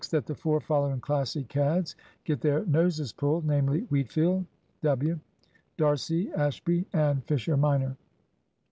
That the four following Classic cads get their noses pulled; namely Wheatfield, W., D'Arcy, Ashby, and Fisher minor.